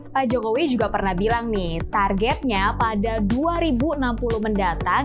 pak jokowi juga pernah bilang nih targetnya pada dua ribu enam puluh mendatang